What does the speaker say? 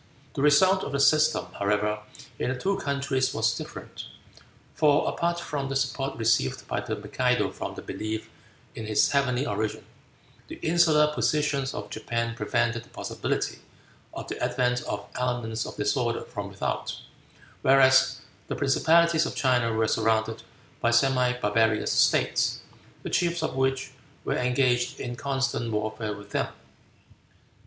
The result of the system, however, in the two countries was different, for apart from the support received by the Mikado from the belief in his heavenly origin, the insular position of Japan prevented the possibility of the advent of elements of disorder from without, whereas the principalities of China were surrounded by semi barbarous states, the chiefs of which were engaged in constant warfare with them.